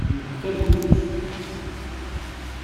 Kemm d tabudit?